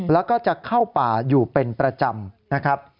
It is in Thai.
แล้วก็จะเข้าป่าอยู่เป็นประจำนะครับ